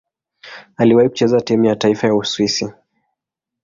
Aliwahi kucheza timu ya taifa ya Uswisi.